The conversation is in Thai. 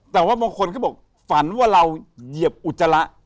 แต่ว่าบางคนเขาบอกฝันว่าเราเหยียบอุจจาระ